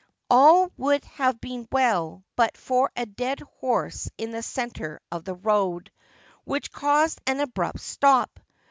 All would have been well but for a dead horse in the centre of the road, which caused an abrupt stop.